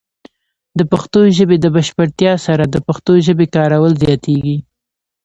د پښتو ژبې د بشپړتیا سره، د پښتو ژبې کارول زیاتېږي.